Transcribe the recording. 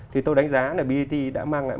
thì tôi đánh giá là brt đã mang lại